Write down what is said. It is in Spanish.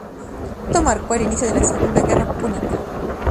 Esto marcó el inicio de la segunda guerra púnica.